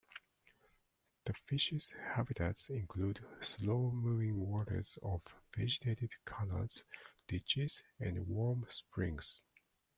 The fish's habitats include slow-moving waters of vegetated canals, ditches, and warm springs.